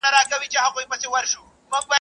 شمع هر څه ویني راز په زړه لري.